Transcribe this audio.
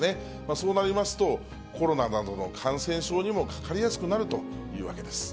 そうなりますと、コロナなどの感染症にもかかりやすくなるというわけです。